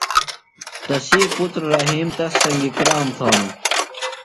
تسی پُتر رحیم تس سنگیۡ کرام تھانوۡ۔